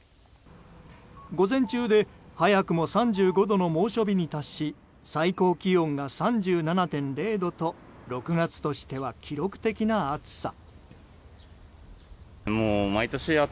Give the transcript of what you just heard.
午前中で早くも３５度の猛暑日に達し最高気温が３７．０度と６月としては記録的な暑さ。